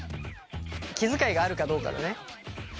気遣いがあるかどうかだね。